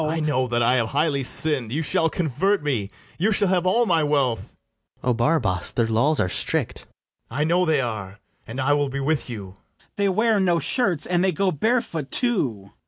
I know that I have highly sinn'd: You shall convert me, you shall have all my wealth. FRIAR JACOMO. O Barabas, their laws are strict! BARABAS. I know they are; and I will be with you. FRIAR BARNARDINE. They wear no shirts, and they go bare foot too.